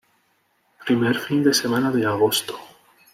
Primer fin de semana de agosto.